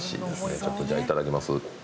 ちょっとじゃあいただきます。